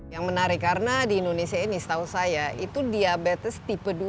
yang menarik karena di indonesia ini setahu saya itu diabetes tipe dua